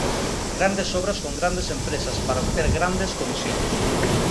Grandes obras con grandes empresas para obter grandes comisións.